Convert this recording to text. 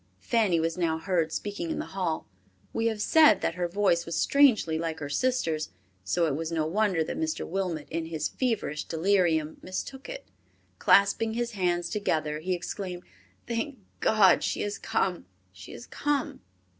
Fanny was now heard speaking in the hall. We have said that her voice was strangely like her sister's, so it was no wonder that Mr. Wilmot, in his feverish delirium, mistook it. Clasping his hands together, he exclaimed, "Thank God she has come! She has come!"